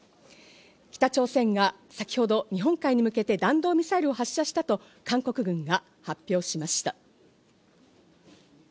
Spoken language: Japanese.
北朝鮮が先ほど日本海に向けて弾道ミサイルを発射したと韓国軍が発表しました。